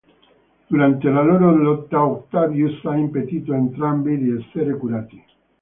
Durante la loro lotta, Octavius ha impedito a entrambi di essere curati.